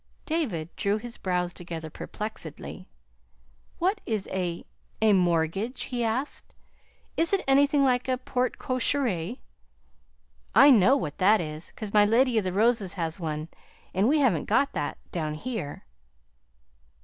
David drew his brows together perplexedly. "What is a a mortgage?" he asked. "Is it anything like a porte cochere? I KNOW what that is, 'cause my Lady of the Roses has one; but we haven't got that down here."